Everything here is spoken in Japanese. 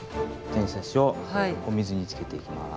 転写紙をお水につけていきます。